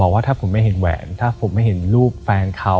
ว่าถ้าผมไม่เห็นแหวนถ้าผมไม่เห็นรูปแฟนเขา